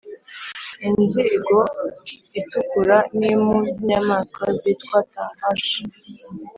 inzigo itukura n impu z inyamaswa zitwa tahashi